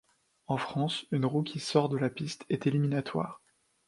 En France, une roue qui sort de la piste est éliminatoire.